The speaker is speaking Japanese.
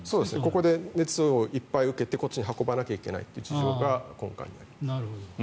ここで熱をいっぱい受けてこっちに運ばなくてはいけないという事情が今回になります。